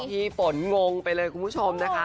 พี่ฝนงงไปเลยคุณผู้ชมนะคะ